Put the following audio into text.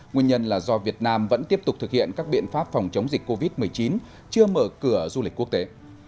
nguyên nhân là do việt nam vẫn tiếp tục thực hiện các biện pháp phòng chống dịch covid một mươi chín chưa mở cửa du lịch quốc tế